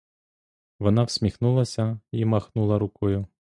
Вона всміхнулася й махнула рукою.